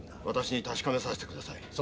私に確かめさせてください。